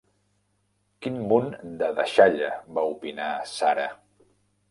"Quin munt de deixalla", va opinar Sarah.